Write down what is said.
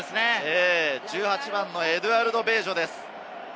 １８番のエドゥアルド・ベージョです。